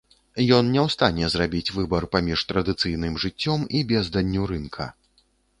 Ён не ў стане зрабіць выбар паміж традыцыйным жыццём і безданню рынка.